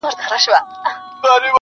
• ښځه یم، کمزورې نه یم-